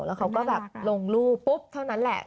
แล้วเขาก็แบบลงรูปปุ๊บเท่านั้นแหละ